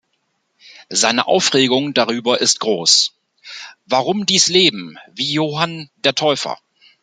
Seine Aufregung darüber ist groß: "Warum dies Leben, wie Johann der Täufer?